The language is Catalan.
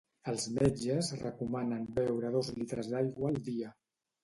Els metges recomanen beure dos litres d'aigua al dia.